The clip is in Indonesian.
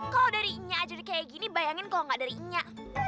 kalo dari inya aja kayak gini bayangin kalo ga dari inya